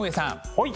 はい。